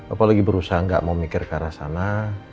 aku lagi berusaha enggak mau mikir ke arah sana